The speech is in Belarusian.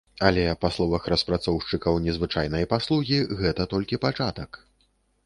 Але па словах распрацоўшчыкаў незвычайнай паслугі, гэта толькі пачатак.